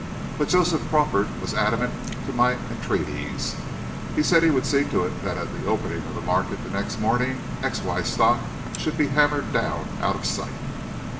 But Joseph Crawford was adamant to my entreaties. He said he would see to it that at the opening of the market the next morning X.Y. stock should be hammered down out of sight.